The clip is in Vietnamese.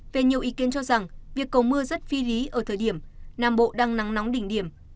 về nhiều ý kiến cho rằng việc cầu mưa rất phi lý ở thời điểm nam bộ đang nắng nóng đỉnh điểm